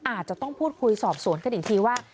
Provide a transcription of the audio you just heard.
อาจจะต้องพูดคุยสอบสวนกันอีกทีว่า